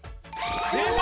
正解！